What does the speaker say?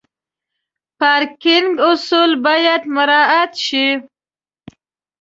پارکینګ اصول باید مراعت شي.